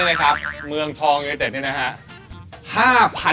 ๒วันนี่นะครับเมืองทองเงยเต็ดนี่นะฮะ